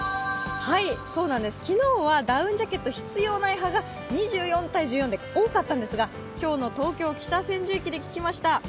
昨日はダウンジャケット必要ない派が２４対１４で多かったんですが今日の東京・北千住駅で聞きました。